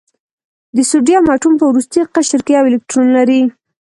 د سوډیم اتوم په وروستي قشر کې یو الکترون لري.